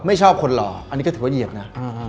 ไม่ชอบคนหล่ออันนี้ก็ถือว่าเหยียบนะ